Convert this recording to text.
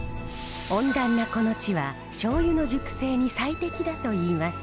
温暖なこの地はしょうゆの熟成に最適だといいます。